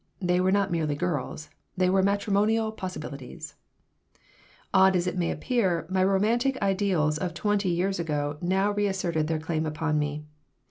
They were not merely girls. They were matrimonial possibilities Odd as it may appear, my romantic ideals of twenty years ago now reasserted their claim upon me.